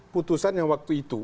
putusan yang waktu itu